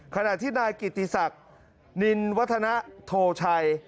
ขณะที่นายกิติศักดิ์นินวัฒนโทชัย